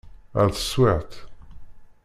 Ar taswiεt!